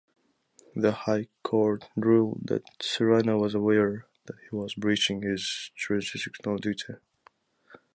The High Court ruled that Serrano was aware that he was breaching his jurisdictional duty.